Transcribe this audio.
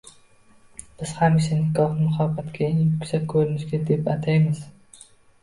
Biz hamisha nikohni muhabbatning eng yuksak ko‘rinishi deb aytamiz.